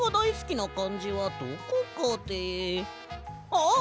あっ！